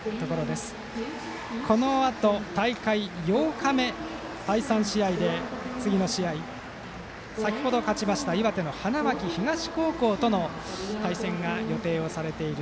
このあと大会８日目第３試合で次の試合、先程勝ちました岩手の花巻東高校との対戦が予定されている